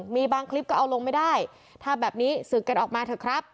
มีบางคลิปก็เอาลงไม่ได้ถ้าแบบนี้ศึกกันออกมาเถอะครับ